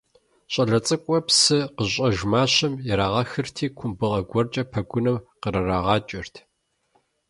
Щӏалэ цӏыкӏухэр псы къыщыщӏэж мащэм ирагъэхырти, кумбыгъэ гуэркӏэ пэгуным кърырагъакӏэрт.